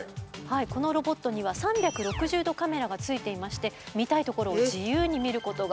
このロボットには３６０度カメラがついていまして見たいところを自由に見ることができます。